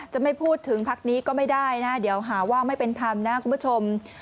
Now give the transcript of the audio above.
จะไม่พูดถึงพักนี้ก็ไม่ได้นะเดี๋ยวหาว่าไม่เป็นธรรมนะคุณผู้ชม